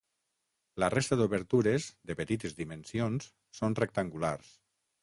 La resta d'obertures, de petites dimensions, són rectangulars.